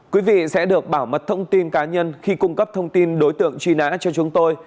quý vị sẽ được bảo mật thông tin cá nhân khi cung cấp thông tin đối tượng truy nã cho chúng tôi